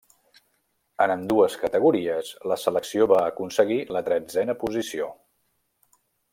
En ambdues categories la selecció va aconseguir la tretzena posició.